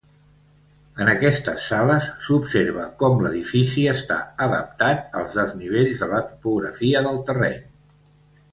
En aquestes sales s'observa com l'edifici està adaptat als desnivells de la topografia del terreny.